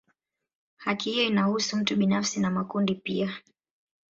Haki hiyo inahusu mtu binafsi na makundi pia.